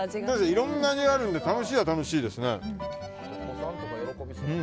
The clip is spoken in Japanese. いろんな味があるので楽しいは楽しいですね。